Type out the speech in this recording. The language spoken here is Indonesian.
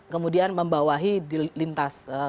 kemudian membawahi di lintas